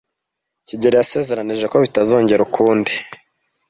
kigeli yasezeranije ko bitazongera ukundi.